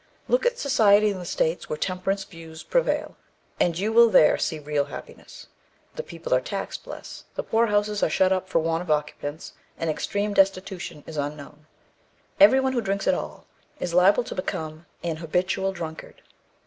"Look at society in the states where temperance views prevail, and you will there see real happiness. The people are taxed less, the poor houses are shut up for want of occupants, and extreme destitution is unknown. Every one who drinks at all is liable to become an habitual drunkard.